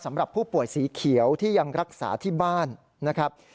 สำหรับผู้ป่วยสีเขียวที่ยังรักษาที่บ้านนะครับ